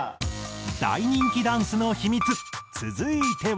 大人気ダンスのヒミツ続いては。